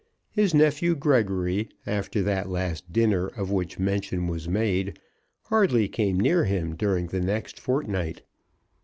His nephew Gregory, after that last dinner of which mention was made, hardly came near him during the next fortnight.